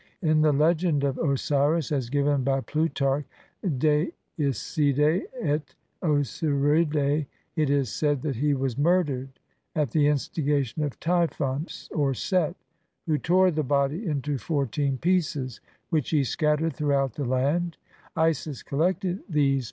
In the legend of Osiris as given by Plutarch (De hide et Osirlde) it is said that he was murdered at the instigation of Typhon or Set, who tore the body into fourteen pieces, which he scattered throughout the land ; Isis collected these OSIRIS AND THE RESURRECTION.